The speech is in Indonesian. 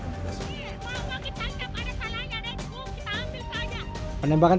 ya kita tidak ada salahnya kita ambil saja